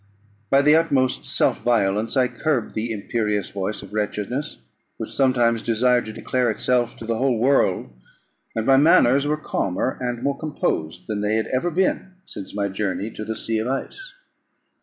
By the utmost self violence, I curbed the imperious voice of wretchedness, which sometimes desired to declare itself to the whole world; and my manners were calmer and more composed than they had ever been since my journey to the sea of ice.